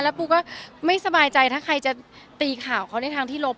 ปูก็ไม่สบายใจถ้าใครจะตีข่าวเขาในทางที่ลบ